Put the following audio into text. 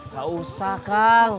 gak usah kang